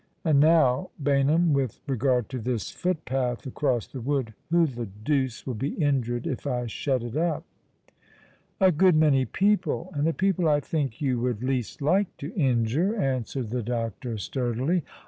And now, Baynham, with regard to this footpath across the wood, who the deuce will be injured if I shut it up ?"" A good many people, and the people I think you would least like to injure," answered the doctor, sturdily.